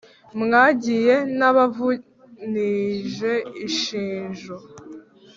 Mwagiye nabavunije ishinjo